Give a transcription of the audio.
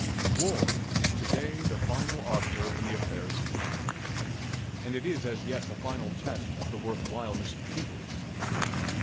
War is to day the final arbiter in the affairs of men, and it is as yet the final test of the worth whileness of peoples.